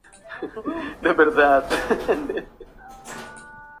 Es la mena principal de bario.